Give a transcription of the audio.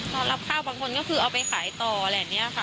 รับข้าวบางคนก็คือเอาไปขายต่ออะไรอย่างนี้ค่ะ